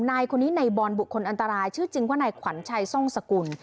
นายคนนี้ในบอลบุคคลอันตรายชื่อจริงว่านายขวัญชัยทรงสกุล